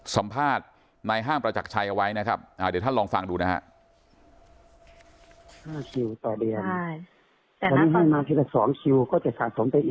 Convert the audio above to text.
สัมภาษณ์ในห้างประจักรชัยเอาไว้นะครับเดี๋ยวท่านลองฟังดูนะฮะ